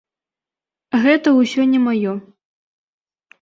Гэта ўсё не маё.